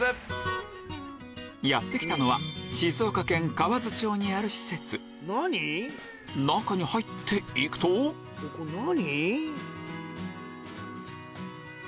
やって来たのは静岡県河津町にある施設中に入っていくとここ何？